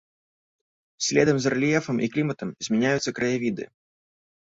Следам за рэльефам і кліматам змяняюцца краявіды.